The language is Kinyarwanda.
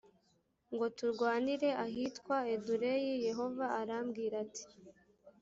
ngo turwanire ahitwa edureyi yehova arambwira ati